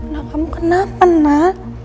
nak kamu kenapa nak